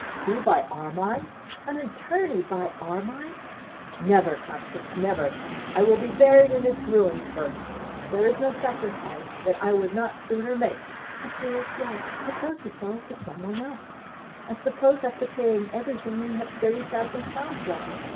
'He buy Armine! An attorney buy Armine! Never, Constance, never! I will be buried in its ruins first. There is no sacrifice that I would not sooner make ' 'But, dearest love, suppose we sell it to some one else, and suppose after paying every thing we have thirty thousand pounds left.